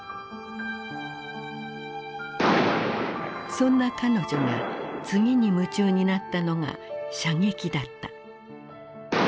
そんな彼女が次に夢中になったのが射撃だった。